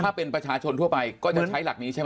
ถ้าเป็นประชาชนทั่วไปก็จะใช้หลักนี้ใช่ไหม